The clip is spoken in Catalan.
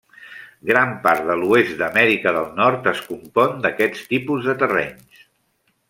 Gran part de l'oest d'Amèrica del Nord es compon d'aquests tipus de terrenys.